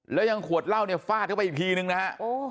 แล้วยังขวดเหล้าเนี่ยฟาดเข้าไปอีกทีนึงนะฮะ